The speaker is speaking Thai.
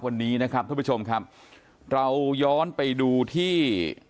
วันนี้นะครับทุกผู้ชมครับเราย้อนไปดูที่